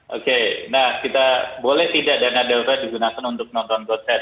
oke nah boleh tidak dana darurat digunakan untuk menonton konser